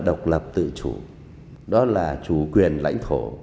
đó là độc lập tự chủ đó là chủ quyền lãnh thổ